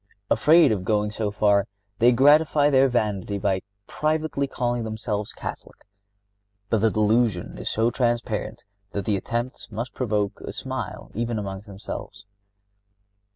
Afraid of going so far, they gratify their vanity by privately calling themselves Catholic. But the delusion is so transparent that the attempt must provoke a smile even among themselves.